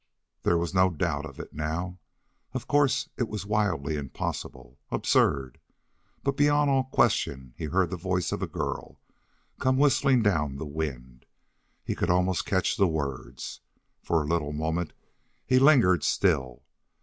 There was no doubt of it now. Of course it was wildly impossible, absurd; but beyond all question he heard the voice of a girl come whistling down the wind. He could almost catch the words. For a little moment he lingered still.